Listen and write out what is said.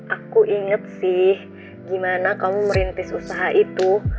aku inget sih gimana kamu merintis usaha itu